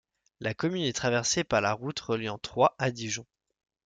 La commune est traversée par la route reliant Troyes à Dijon.